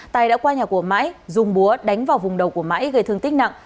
tài đã qua nhà của mãi dùng búa đánh vào vùng đầu của mãi gây thương tích nặng